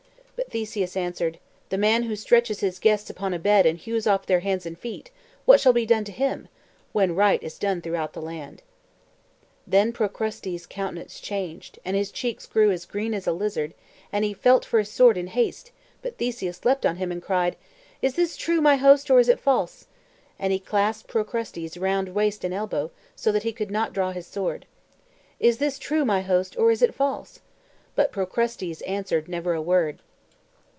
But Theseus answered: "The man who stretches his guests upon a bed and hews off their hands and feet, what shall be done to him, when right is done throughout the land?" Then Procrustes' countenance changed, and his cheeks grew as green as a lizard, and he felt for his sword in haste; but Theseus leaped on him, and cried: "Is this true, my host, or is it false?" and he clasped Procrustes round waist and elbow, so that he could not draw his sword. "Is this true, my host, or is it false!" But Procrustes answered never a word.